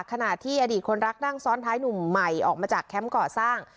ขณะที่อดีตคนรักนั่งซ้อนท้ายหนุ่มใหม่ออกมาจากแคมป์ก่อสร้าง